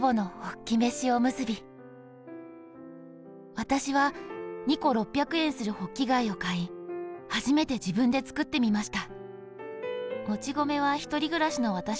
「私は２個６００円するホッキ貝を買い、初めて自分で作ってみました」。